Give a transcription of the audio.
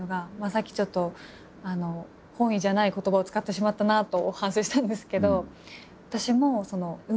さっきちょっと本意じゃない言葉を使ってしまったなと反省したんですけど。